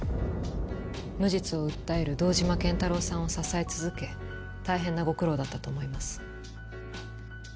無実を訴える堂島健太郎さんを支え続け大変なご苦労だったと思います。